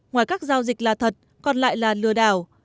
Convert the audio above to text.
ngoài các giao dịch là thật còn lại là lừa đảo